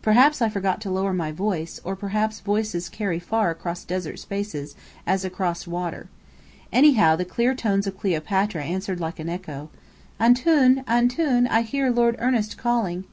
Perhaps I forgot to lower my voice; or perhaps voices carry far across desert spaces, as across water. Anyhow the clear tones of Cleopatra answered like an echo. "Antoun Antoun! I hear Lord Ernest calling."